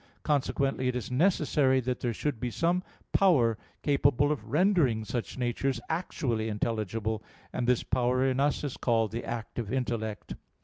Consequently it is necessary that there should be some power capable of rendering such natures actually intelligible: and this power in us is called the active intellect.